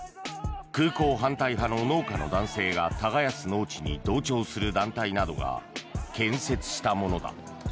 空港反対派の農家の男性が耕す農地に同調する団体などが建設したものだ。